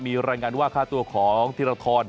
มีรายงานว่าค่าตัวของธิรทร